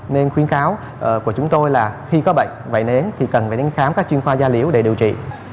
nên khuyên cáo của chúng tôi là khi có bệnh vẫy nến thì cần vẫy nến khám các chuyên khoa gia liễu để điều trị